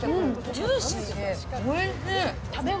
ジューシーでおいしい。